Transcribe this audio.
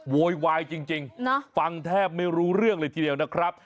โวยวายจริงฟังแทบไม่รู้เรื่องเลยทีเดียวนะครับ